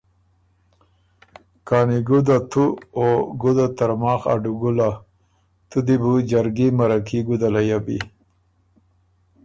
کانی ګُده تُو او ګُده ترماخ ا ډُوګُله! تُو دی بُو جرګي مَرکي ګُده لَیۀ بی۔